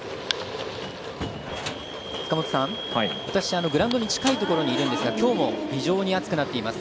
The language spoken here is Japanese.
私、グラウンドに近いところにいるんですがきょうも非常に暑くなっています。